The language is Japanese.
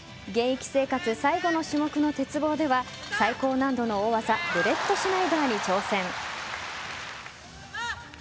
現役生活最後の種目の鉄棒では最高難度の大技ブレットシュナイダーに挑戦。